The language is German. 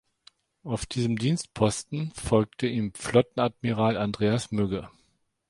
Auf diesem Dienstposten folgte ihm Flottillenadmiral Andreas Mügge.